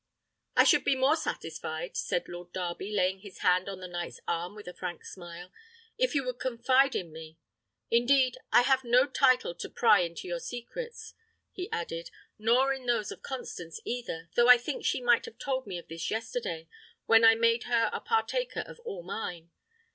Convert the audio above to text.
"I should be more satisfied," said Lord Darby, laying his hand on the knight's arm with a frank smile, "if you would confide in me. Indeed, I have no title to pry into your secrets," he added, "nor in those of Constance either, though I think she might have told me of this yesterday, when I made her a partaker of all mine.